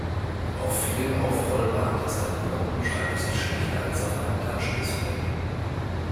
Auf vielen aufrollbaren Tastaturen schreibt es sich schlechter als auf einem Touchdisplay.